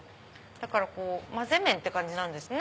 だからまぜ麺って感じですね。